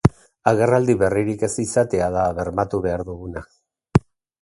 Agerraldi berririk ez izatea da bermatu behar duguna.